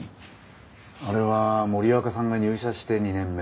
あれは森若さんが入社して２年目。